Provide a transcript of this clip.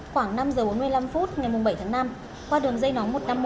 khoảng năm h bốn mươi năm phút ngày bảy tháng năm qua đường dây nóng một trăm năm mươi một